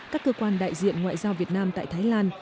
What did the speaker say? các cơ quan đại diện ngoại giao việt nam tại thái lan